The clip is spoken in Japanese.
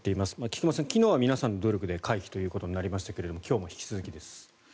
菊間さん、昨日は皆さんの努力で回避となりましたが今日も引き続きです。